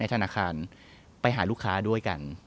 ธนาคารไปหาลูกค้าด้วยกัน